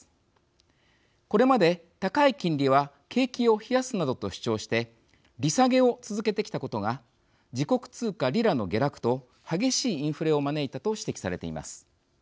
これまで高い金利は景気を冷やすなどと主張して利下げを続けてきたことが自国通貨リラの下落と激しいインフレを招いたと指摘されています。